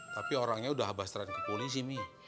tapi orangnya udah abas terang ke polisi mi